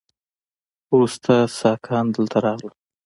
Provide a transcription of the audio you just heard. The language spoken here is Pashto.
وروسته ساکان دلته راغلل